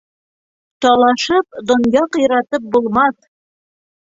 Талашып, донъя ҡыйратып булмаҫ.